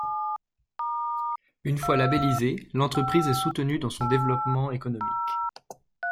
Une fois labellisée, l'entreprise est soutenue dans son développement économique.